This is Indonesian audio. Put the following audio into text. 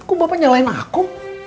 kok bapak nyalain aku